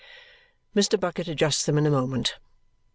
Mr. Bucket adjusts them in a moment.